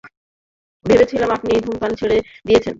ভেবেছিলাম, আপনি ধূমপান ছেড়ে দিয়েছেন।